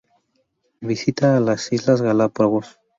Visita las islas Galápagos.